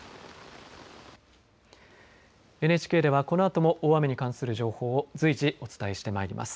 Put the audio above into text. ＮＨＫではこのあとも大雨に関する情報を随時、お伝えしてまいります。